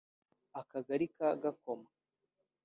akagari ka Gakoma